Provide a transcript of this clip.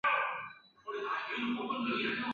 曾任台南市美术研究会会长。